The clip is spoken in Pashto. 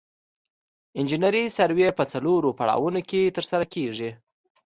انجنیري سروې په څلورو پړاوونو کې ترسره کیږي